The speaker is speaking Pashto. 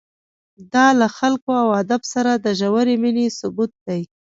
دا له خلکو او ادب سره د ژورې مینې ثبوت دی.